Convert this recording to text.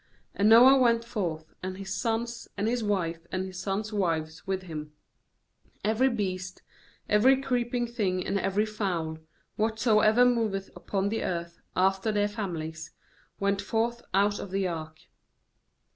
18And Noah went forth, and his sons, and his wife, and his sons' wives with him; 19every beast, every creeping thing, and every fowl, whatsoever moveth upon the earth, after their families, went forth out of the ark.